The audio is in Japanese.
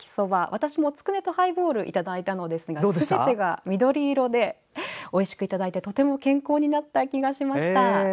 私もつくねとハイボールをいただいたのですがすべてが緑色でおいしくいただいてとても健康になった気がしました。